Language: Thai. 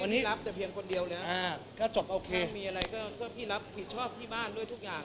วันนี้รับแต่เพียงคนเดียวแล้วถ้าจบโอเคมีอะไรก็พี่รับผิดชอบที่บ้านด้วยทุกอย่าง